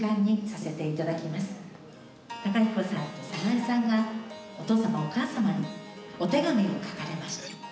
公彦さんと早苗さんがお父様お母様にお手紙を書かれました。